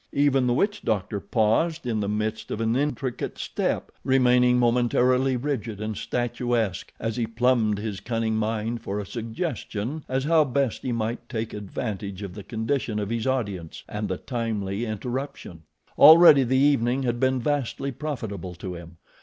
Even the witch doctor paused in the midst of an intricate step, remaining momentarily rigid and statuesque as he plumbed his cunning mind for a suggestion as how best he might take advantage of the condition of his audience and the timely interruption. Already the evening had been vastly profitable to him.